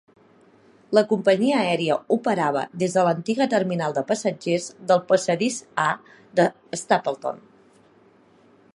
La companyia aèria operava des de l'antiga terminal de passatgers del passadís A de Stapleton.